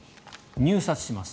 入札します。